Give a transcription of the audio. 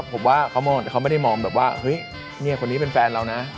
ผมว่าเขาไม่ได้มองแบบว่าเฮ้ยเนี่ยคนนี้เป็นแฟนเรานะ